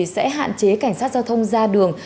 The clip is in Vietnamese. sẽ hạn chế cảnh sát giao thông ra đường